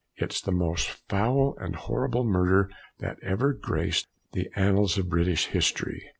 It's the most foul and horrible murder that ever graced the annals of British history